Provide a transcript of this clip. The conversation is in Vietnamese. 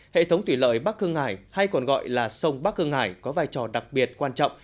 hệ thống thủy lợi bắc hương hải hay còn gọi là sông bắc hương hải có vai trò đặc biệt quan trọng